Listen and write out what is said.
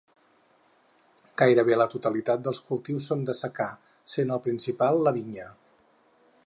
Gairebé la totalitat dels cultius són de secà, sent el principal la vinya.